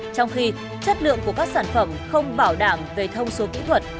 trong khi chất lượng của các sản phẩm không bảo đảm về thông số kỹ thuật